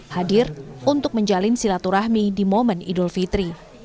hadir untuk menjalin silaturahmi di momen idul fitri